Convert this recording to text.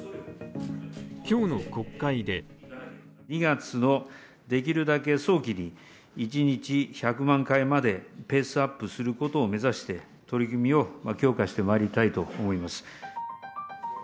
今日の国会で２月のできるだけ早期に一日１００万回までペースアップすることを目指して取り組みを強化してまいりたいと思います。